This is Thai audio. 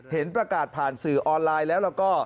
ประกาศผ่านสื่อออนไลน์แล้วแล้วก็